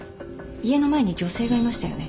家の前に女性がいましたよね。